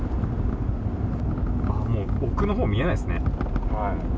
もう、奥のほう見えないですね。